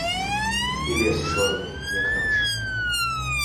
І лес чорны, як ноч.